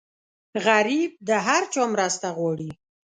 غریب د هر چا مرسته غواړي